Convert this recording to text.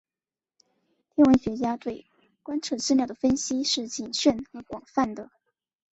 天文学家对观测资料的分析是谨慎而广泛的。